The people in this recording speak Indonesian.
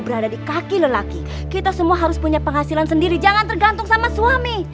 berada di kaki lelaki kita semua harus punya penghasilan sendiri jangan tergantung sama suami